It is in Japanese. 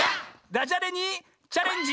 ダジャレにチャレンジ！